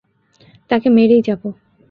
তাকে মেরেই যাবো।